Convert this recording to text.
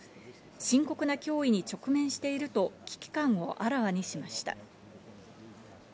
深刻な脅威に直面していると危機感をあらわにしました。